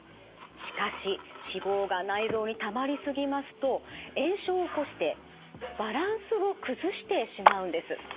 しかし脂肪が内臓にたまりすぎますと炎症を起こしてバランスを崩してしまうんです。